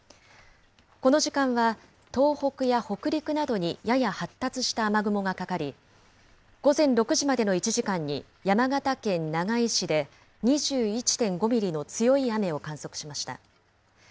この時間は東北や北陸などにやや発達した雨雲がかかり、午前６時までの１時間に、山形県長井市で２１．５ミリの強い雨を観測しました。